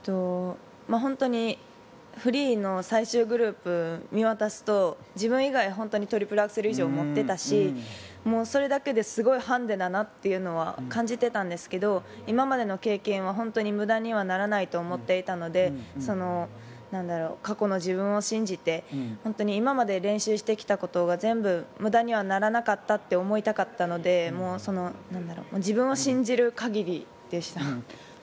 本当にフリーの最終グループを見渡すと自分以外本当にトリプルアクセルを持っていたしそれだけですごいハンデだなとは感じてたんですけど今までの経験は本当に無駄にはならないと思っていたので過去の自分を信じて本当に今まで練習してきたことが全部無駄にはならなかったと思いたかったので自分を信じる限りでしたね。